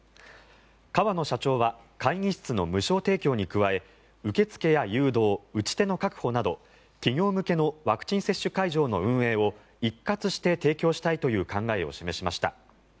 河野社長は会議室の無償提供に加え受付や誘導、打ち手の確保など企業向けのワクチン接種会場の運営を一括して提供したいという考えを示しました。